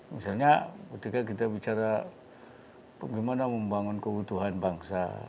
misalnya ketika kita bicara bagaimana membangun kebutuhan bangsa